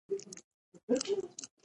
د پښتو توري: ټ، ډ، ړ، ځ، څ، ښ، ڼ، ږ